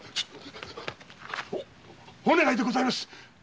お願いでございます。